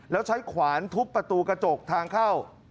แล้วใช้ขวานทุบประตูกระจกทางเข้า